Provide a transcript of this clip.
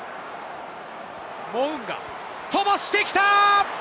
モウンガ、飛ばしてきた！